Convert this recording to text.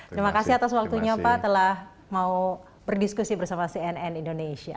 terima kasih atas waktunya pak telah mau berdiskusi bersama cnn indonesia